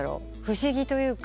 不思議というか。